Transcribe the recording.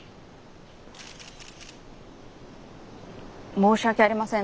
申し訳ありません。